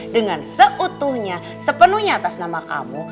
dengan seutuhnya sepenuhnya atas nama kamu